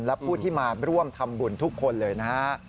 และผู้ที่มาร่วมทำบุญทุกคนเลยนะฮะ